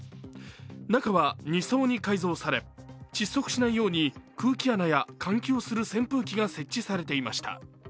中は２層に改造され窒息しないように空気穴や換気をする扇風機が設置されていました。